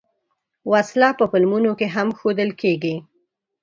وسله په فلمونو کې هم ښودل کېږي